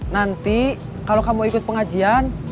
nanti kalau kamu ikut pengajian